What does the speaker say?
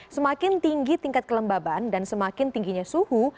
semakin tinggi tingkat kelembaban dan semakin tingginya suhu